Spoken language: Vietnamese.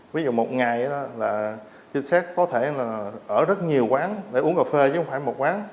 ví dụ một ngày chính xác có thể ở rất nhiều quán để uống cà phê chứ không phải một quán